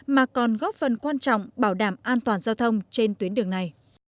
mà còn góp phần quan trọng bảo đảm an toàn giao thông trên tuyến đường này